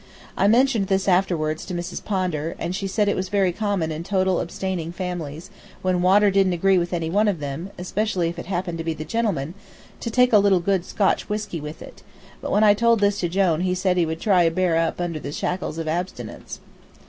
I mentioned this afterwards to Miss Pondar, and she said it was very common in total abstaining families, when water didn't agree with any one of them, especially if it happened to be the gentleman, to take a little good Scotch whiskey with it; but when I told this to Jone he said he would try to bear up under the shackles of abstinence.